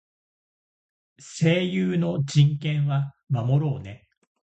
声優の人権は守ろうね。